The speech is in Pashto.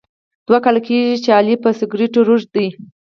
دوه کاله کېږي چې علي په سګرېټو روږدی دی.